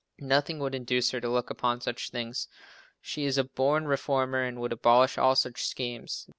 Nothing would induce her to look upon such things. She is a born reformer and would abolish all such schemes.